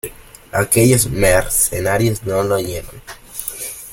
aquellos mercenarios no la oyeron.